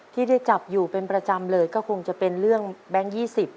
ที่ได้จับอยู่เป็นประจำเลยก็คงจะเป็นเรื่องแบงค์๒๐